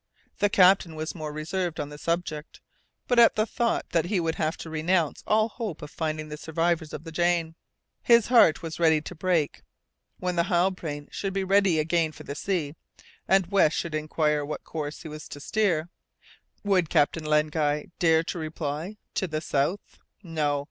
The captain was more reserved on the subject, but at the thought that he would have to renounce all hope of finding the survivors of the Jane, his heart was ready to break. When the Halbrane should again be ready for the sea, and when West should inquire what course he was to steer, would Captain Len Guy dare to reply, "To the south"? No!